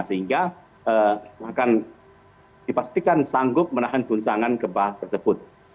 sehingga akan dipastikan sanggup menahan guncangan gempa tersebut